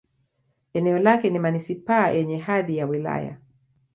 Eneo lake ni manisipaa yenye hadhi ya wilaya.